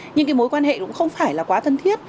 nhưng cái mối quan hệ cũng không phải là quá thân thiết